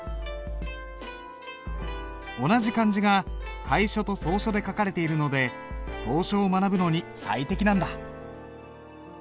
同じ漢字が楷書と草書で書かれているので草書を学ぶのに最適なんだ。